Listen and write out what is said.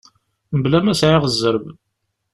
Mebla ma sɛiɣ zzerb.